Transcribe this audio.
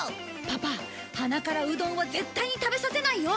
パパ鼻からうどんは絶対に食べさせないよ！